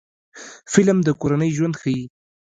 فلم د کورنۍ ژوند ښيي